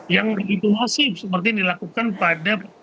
yang itu masih seperti yang dilakukan pada